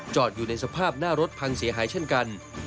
อยู่ในสภาพหน้ารถพังเสียหายเช่นกัน